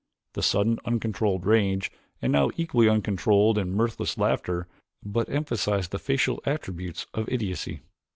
The sudden uncontrolled rage and now the equally uncontrolled and mirthless laughter but emphasized the facial attributes of idiocy.